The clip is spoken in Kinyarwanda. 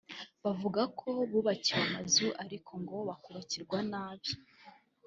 Bavuga ko bubakiwe amazu ariko ngo akubakwa nabi